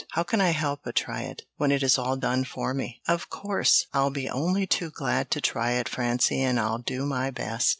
"How can I help but try it, when it is all done for me? Of course, I'll be only too glad to try it, Francie, and I'll do my best."